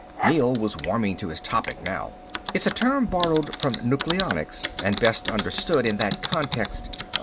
Neel was warming to his topic now. "It's a term borrowed from nucleonics, and best understood in that context.